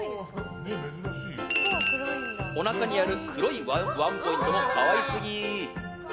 おなかにある黒いワンポイントも可愛すぎ！